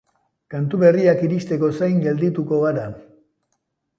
Kantu berriak iristeko zain geldituko gara.